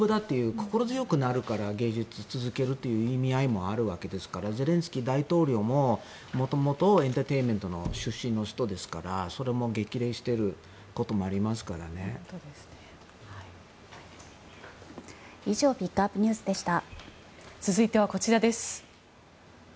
心強くなるから芸術を続けるという意味合いもあるわけですからゼレンスキー大統領も元々、エンターテインメントの出身の人ですからそれも激励していることもありますからね。以上ピックアップＮＥＷＳでした。